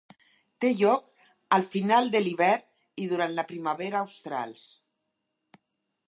Té lloc al final de l'hivern i durant la primavera australs.